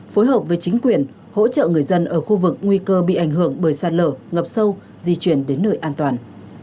phối hợp với chính quyền hỗ trợ người dân ở khu vực nguy cơ bị ảnh hưởng bởi sạt lở ngập sâu di chuyển đến nơi an toàn